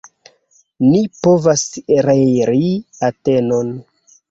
Ni povas reiri Atenon!